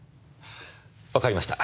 わかりました。